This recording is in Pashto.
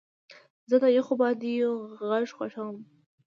زه د یخو بادیو غږ خوښوم.